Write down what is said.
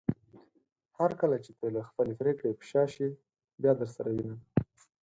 هرکله چې ته له خپلې پریکړې په شا شې بيا درسره وينم